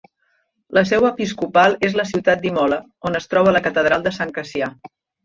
La seu episcopal és la ciutat d'Imola, on es troba la catedral de Sant Cassià.